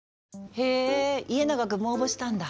へえ家長くんも応募したんだ。